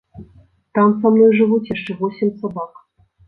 Там са мной жывуць яшчэ восем сабак.